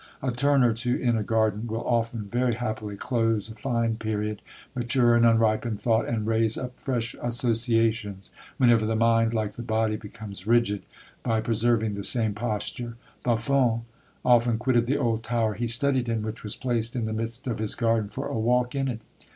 A turn or two in a garden will often very happily close a fine period, mature an unripened thought, and raise up fresh associations, whenever the mind, like the body, becomes rigid by preserving the same posture. Buffon often quitted the old tower he studied in, which was placed in the midst of his garden, for a walk in it.